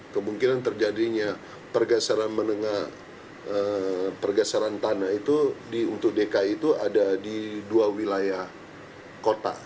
kemungkinan terjadinya pergeseran menengah pergeseran tanah itu untuk dki itu ada di dua wilayah kota